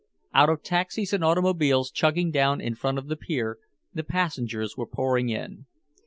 Out of taxis and automobiles chugging down in front of the pier, the passengers were pouring in.